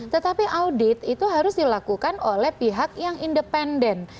tetapi audit itu harus dilakukan oleh pihak yang independen